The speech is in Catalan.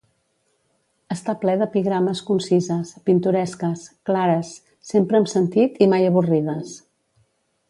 Està ple d'epigrames concises, pintoresques, clares, sempre amb sentit i mai avorrides.